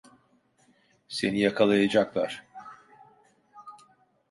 Seni yakalayacaklar.